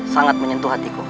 sangat menyentuh hatiku